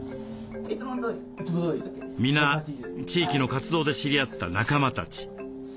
皆地域の活動で知り合った仲間たち。